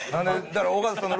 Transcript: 尾形さんの。